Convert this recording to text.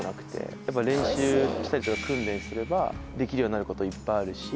やっぱ練習したりとか訓練すればできるようになる事いっぱいあるし。